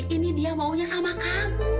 ini dia maunya sama kamu